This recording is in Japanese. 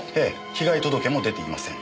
被害届も出ていません。